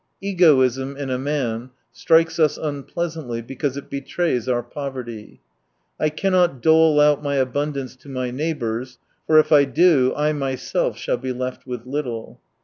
— Egoism in a man strikes us unpleasantly because it betrays our poverty. *' I cannot dole out my abundance to my neighbour, for if I do I myself shall be left with little."